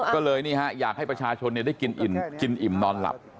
ก็เลยนี่ฮะอยากให้ประชาชนได้กินอิ่มนอนหลับ